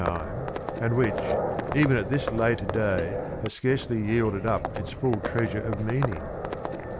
time, and which, even at this late day has scarcely yielded up its full treasure of meaning?